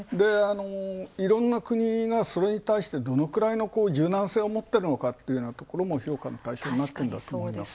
いろんな国がそれに対して、どのくらいの柔軟性を持ってるのかというのも評価の対象になってると思います。